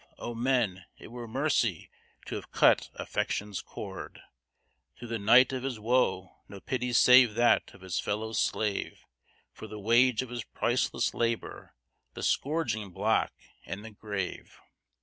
O men, it were mercy to have cut affection's cord; Through the night of his woe, no pity save that of his fellow slave; For the wage of his priceless labor, the scourging block and the grave!